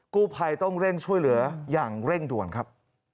กู้ภัยต้องเร่งช่วยเหลืออย่างเร่งด่วนครับ